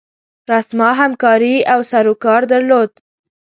رسما همکاري او سروکار درلود.